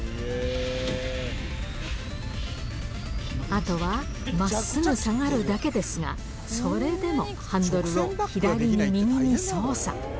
あとはまっすぐ下がるだけですが、それでもハンドルを左に右に操作。